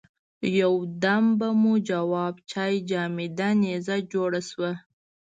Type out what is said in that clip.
یو دم به مو جواب چای جامده نيزه جوړه شوه.